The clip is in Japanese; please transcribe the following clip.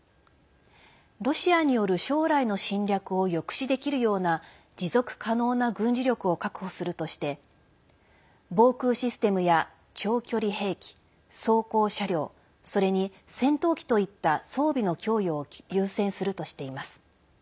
ロシアによる将来の侵略を抑止できるような持続可能な軍事力を確保するとして防空システムや長距離兵器装甲車両それに、戦闘機といった装備の供与を優先するとしています。